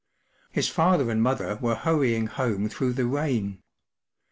His father and mother were hurrying home through the rain.